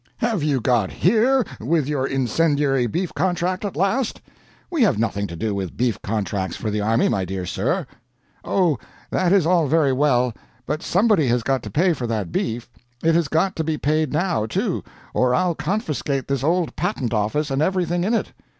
have you got HERE with your incendiary beef contract, at last? We have nothing to do with beef contracts for the army, my dear sir." "Oh, that is all very well but somebody has got to pay for that beef. It has got to be paid now, too, or I'll confiscate this old Patent Office and everything in it."